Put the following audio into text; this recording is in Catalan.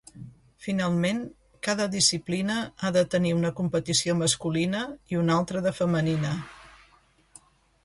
Finalment, cada disciplina ha de tenir una competició masculina i una altra de femenina.